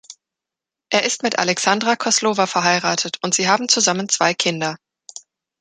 Er ist mit Alexandra Kozlova verheiratet und sie haben zusammen zwei Kinder.